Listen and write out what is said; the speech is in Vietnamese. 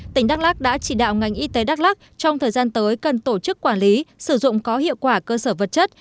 tỉnh đắk lắc đã chỉ đạo ngành y tế đắk lắc trong thời gian tới cần tổ chức quản lý sử dụng có hiệu quả cơ sở vật chất